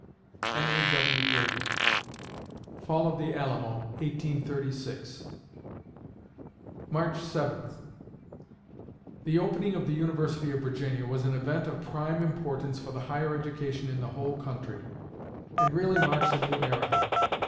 HENRY W. GRADY Fall of the Alamo, 1836 March Seventh The opening of the University of Virginia was an event of prime importance for the higher education in the whole country, and really marks a new era.